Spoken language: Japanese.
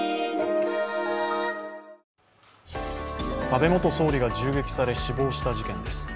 安倍元総理が銃撃され死亡した事件です。